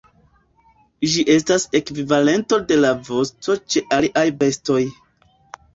Ĝi estas ekvivalento de la vosto ĉe aliaj bestoj.